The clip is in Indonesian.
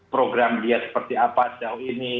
program dia seperti apa sejauh ini